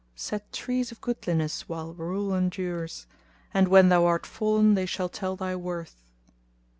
Set trees of goodliness while rule endures, * And when thou art fallen they shall tell thy worth.